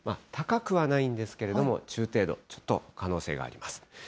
高くはないんですけれども、中程度の可能性があります。